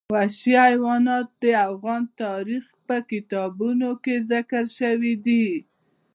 وحشي حیوانات د افغان تاریخ په کتابونو کې ذکر شوی دي.